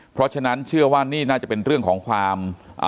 เพราะฉะนั้นเชื่อว่านี่น่าจะเป็นเรื่องของความ